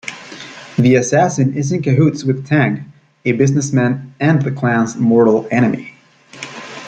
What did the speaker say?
The assassin is in cahoots with Tang, a businessman and the clan's mortal enemy.